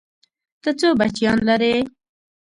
ته څو بچيان لرې؟